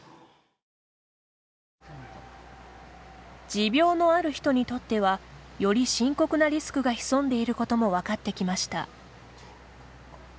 持病のある人にとってはより深刻なリスクが潜んでいることも分かってきました。